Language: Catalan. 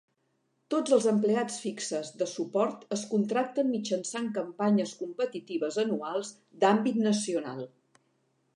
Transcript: Tots els empleats fixes de suport es contracten mitjançant campanyes competitives anuals d'àmbit nacional